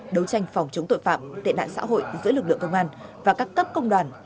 đấu tranh phòng chống tội phạm tệ nạn xã hội giữa lực lượng công an và các cấp công đoàn